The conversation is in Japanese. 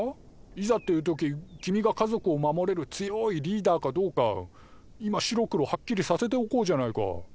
いざっていう時君が家族を守れる強いリーダーかどうか今白黒はっきりさせておこうじゃないか。